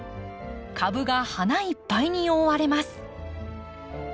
株が花いっぱいに覆われます。